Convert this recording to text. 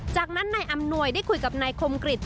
จากนั้นนายอำนวยได้คุยกับนายคมกริจ